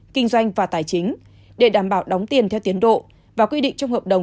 kinh doanh và tài chính để đảm bảo đóng tiền theo tiến độ và quy định trong hợp đồng